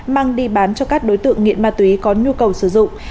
mang đi bán cho các đối tượng nghiện ma túy có nhu cầu sử dụng